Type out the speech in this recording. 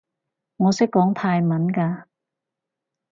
我識講泰文㗎